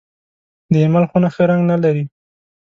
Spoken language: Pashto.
د اېمل خونه ښه رنګ نه لري .